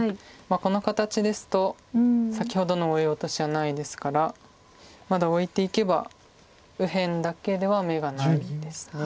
この形ですと先ほどのオイオトシはないですからまだオイていけば右辺だけでは眼がないです。